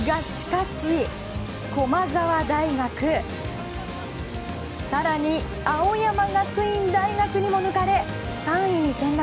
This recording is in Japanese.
が、しかし駒澤大学更に青山学院大学にも抜かれ３位に転落。